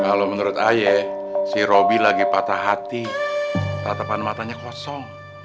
kalau menurut ayah si roby lagi patah hati tatapan matanya kosong